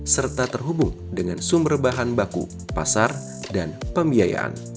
serta terhubung dengan sumber bahan baku pasar dan pembiayaan